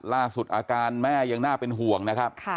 ล่าสุดอาการแม่ยังน่าเป็นห่วงนะครับ